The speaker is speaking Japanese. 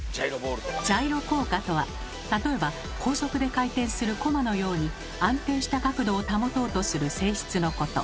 「ジャイロ効果」とは例えば高速で回転するコマのように安定した角度を保とうとする性質のこと。